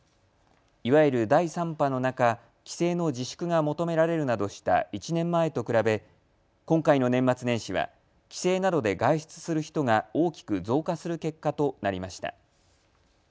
いわゆる第３波の中、帰省の自粛が求められるなどした１年前と比べ今回の年末年始は帰省などで外出する人が大きく増加する結果となりました。